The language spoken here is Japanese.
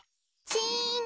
チン。